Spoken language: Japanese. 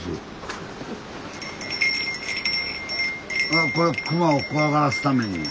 ああこれ熊を怖がらすために。